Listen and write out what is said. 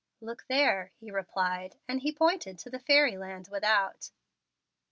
"Look there," he replied, and he pointed to the fairy land without.